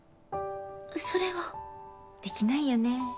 それはできないよね